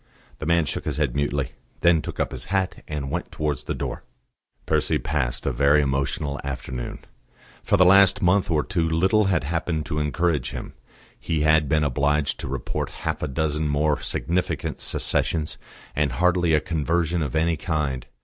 The man shook his head mutely. Then he took up his hat, and went towards the door. Percy passed a very emotional afternoon. For the last month or two little had happened to encourage him. He had been obliged to report half a dozen more significant secessions, and hardly a conversion of any kind.